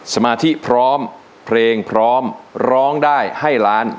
สมาธิพร้อมเพลงพร้อมร้องได้ให้ล้าน